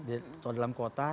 atau dalam kota